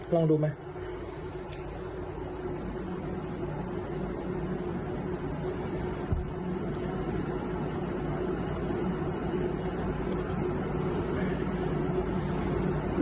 ลองดูไหม